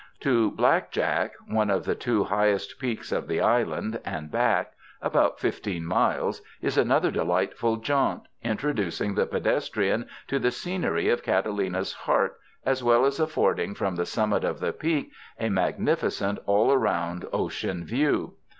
To Black Jack (one of the two highest peaks of the island) and back, about fifteen miles, is another delightful jaunt, introducing the pedestrian to the scenery of Catalina's heart, as well as affording from the summit of the peak a magnificent all around ocean view.